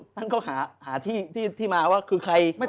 ท่านก็หาที่มาว่าคือใคร